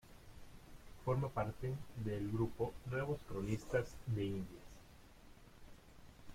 Forma parte del grupo Nuevos Cronistas de Indias.